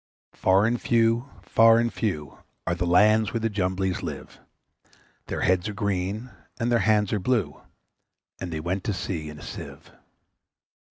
Far and few, far and few, Are the lands where the Jumblies live; Their heads are green, and their hands are blue, And they went to sea in a Sieve.